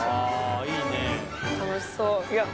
楽しそう。